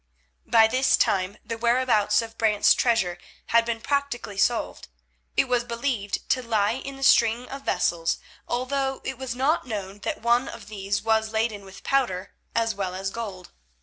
By this time the whereabouts of Brant's treasure had been practically solved. It was believed to lie in the string of vessels, although it was not known that one of these was laden with powder as well as gold.